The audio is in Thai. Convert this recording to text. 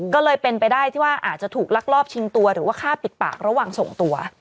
ก็เลยเป็นไปได้ที่ว่าอาจจะถูกลักลอบชิงตัวหรือว่าฆ่าปิดปากระหว่างส่งตัว